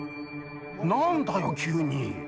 何だよ急に。